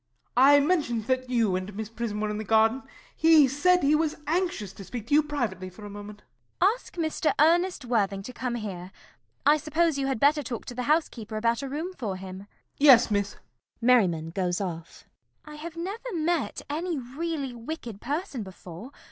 I mentioned that you and Miss Prism were in the garden. He said he was anxious to speak to you privately for a moment. CECILY. Ask Mr. Ernest Worthing to come here. I suppose you had better talk to the housekeeper about a room for him. MERRIMAN. Yes, Miss. [Merriman goes off.] CECILY. I have never met any really wicked person before.